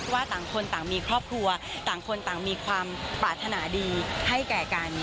ว่าต่างคนต่างมีครอบครัวต่างคนต่างมีความปรารถนาดีให้แก่กัน